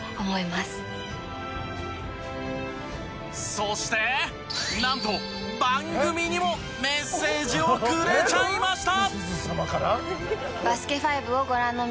そして、何と番組にもメッセージをくれちゃいました！